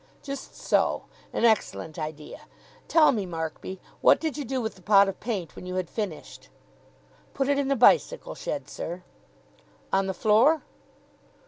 "Just so. An excellent idea. Tell me, Markby, what did you do with the pot of paint when you had finished?" "Put it in the bicycle shed, sir." "On the floor?"